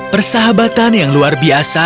persahabatan yang luar biasa